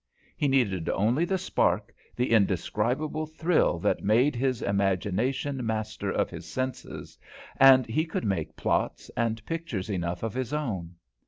He needed only the spark, the indescribable thrill that made his imagination master of his senses, and he could make plots and pictures enough of his own.